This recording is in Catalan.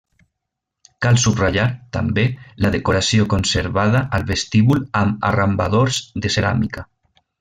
Cal subratllar, també, la decoració conservada al vestíbul amb arrambadors de ceràmica.